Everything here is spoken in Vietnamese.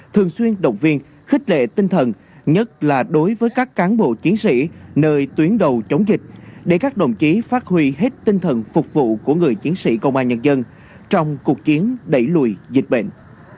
thường xuyên động viên khích lệ tinh thần nhất là đối với các cán bộ chiến sĩ nơi tuyến đầu chống dịch để các đồng chí phát huy hết tinh thần phục vụ của người chiến sĩ công an nhân dân trong cuộc chiến đẩy lùi dịch bệnh